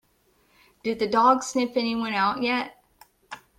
Did the dog sniff anyone out yet?